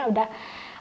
sudah hampir mulai nih